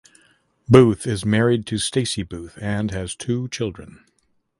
Booth is married to Stacy Booth and has two children.